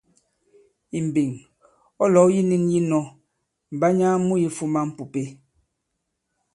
Ì mbeŋ, ɔ̌ lɔ̌w yi nĩn yī nɔ̄, Mbanya mu yifūmā m̀pùpe.